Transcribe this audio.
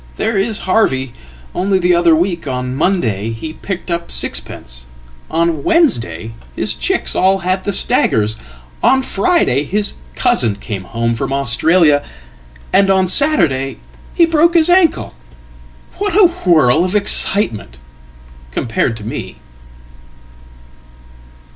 There isHarvey. Only the other week; on Monday he picked up sixpence, on Wednesdayhis chicks all had the staggers, on Friday his cousin came home fromAustralia, and on Saturday he broke his ankle. What a whirl ofexcitement! compared to me.""